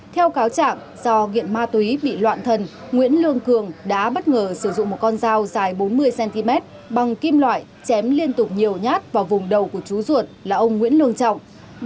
theo cáo trạng do nghiện ma túy bị loạn thần nguyễn lương cường đã bất ngờ sử dụng một con dao dài bốn mươi cm bằng kim loại chém liên tục nhiều nhát vào vùng đầu của chú ruột là ông nguyễn lương trọng